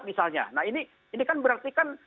misalnya nah ini kan berarti kan